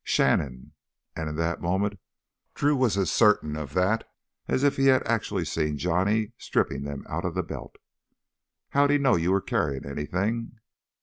"Shannon!" And in that moment Drew was as certain of that as if he had actually seen Johnny stripping them out of the belt. "How'd he know you were carryin' anythin'?"